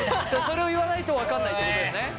それを言わないと分かんないってことだよね。